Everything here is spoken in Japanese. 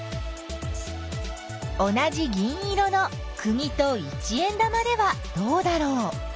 同じ銀色のくぎと一円玉ではどうだろう。